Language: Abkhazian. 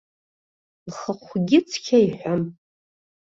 Лхахәгьы цқьа иҳәам.